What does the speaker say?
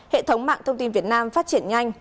hệ thống mạng thông tin việt nam phát triển nhanh